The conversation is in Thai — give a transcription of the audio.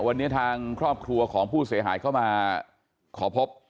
วันนี้ทางครอบครัวของผู้เสียหายเข้ามาขอพบ